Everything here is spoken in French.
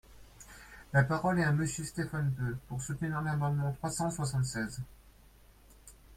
La parole est à Monsieur Stéphane Peu, pour soutenir l’amendement numéro trois cent soixante-seize.